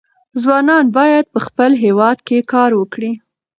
ځوانان باید په خپل هېواد کې کار وکړي.